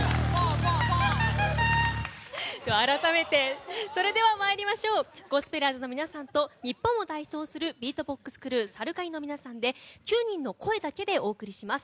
改めて、それでは参りましょうゴスペラーズの皆さんと日本を代表するビートボックスクルーＳＡＲＵＫＡＮＩの皆さんで９人の声だけでお送りします。